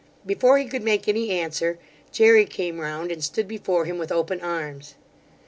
Before he could make any answer, Jery came round and stood before him with open arms.